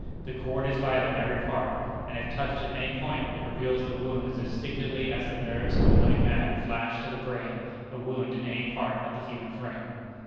The cord is vital in every part, and if touched at any point it reveals the wound as instinctively as the nerves of a living man flash to the brain a wound in any part of the human frame.